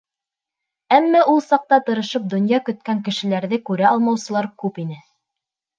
Әммә ул саҡта тырышып донъя көткән кешеләрҙе күрә алмаусылар күп ине.